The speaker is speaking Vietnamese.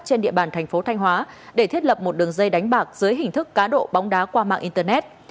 trên địa bàn thành phố thanh hóa để thiết lập một đường dây đánh bạc dưới hình thức cá độ bóng đá qua mạng internet